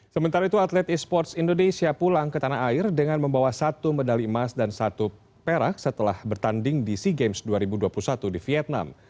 sementara itu atlet e sports indonesia pulang ke tanah air dengan membawa satu medali emas dan satu perak setelah bertanding di sea games dua ribu dua puluh satu di vietnam